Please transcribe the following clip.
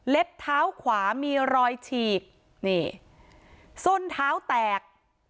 เท้าขวามีรอยฉีกนี่ส้นเท้าแตก